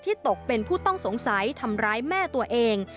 ตกเป็นผู้ต้องสงสัยทำร้ายแม่ตัวเอง